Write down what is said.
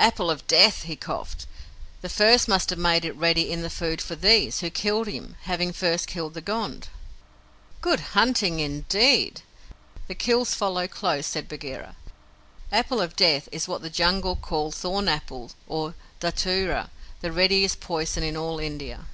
"Apple of Death," he coughed. "The first must have made it ready in the food for THESE, who killed him, having first killed the Gond." "Good hunting, indeed! The kills follow close," said Bagheera. "Apple of Death" is what the Jungle call thorn apple or dhatura, the readiest poison in all India.